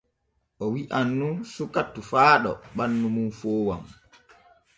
O wi’an nun suka tofaaɗo ɓannu mum foowan.